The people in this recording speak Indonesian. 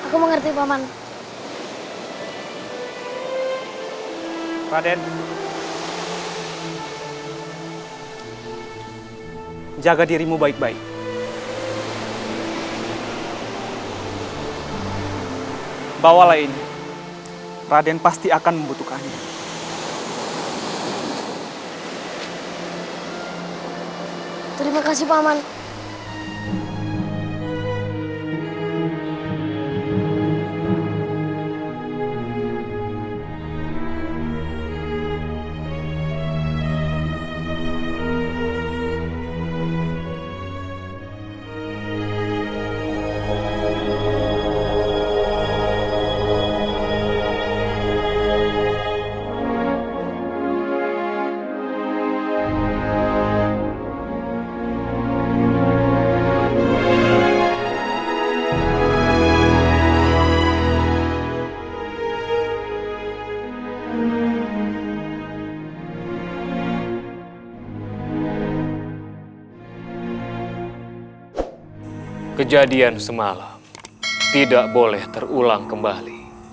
ketika kita menemukan kejadian semalam tidak boleh terulang kembali